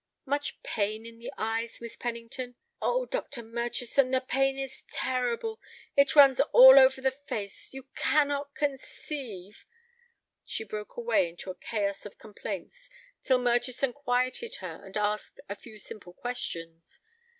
"Much pain in the eyes, Miss Pennington?" "Oh, Dr. Murchison, the pain is terrible, it runs all over the face; you cannot conceive—" She broke away into a chaos of complaints till Murchison quieted her and asked a few simple questions.